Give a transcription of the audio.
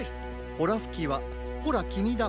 ほらふきはほらきみだ！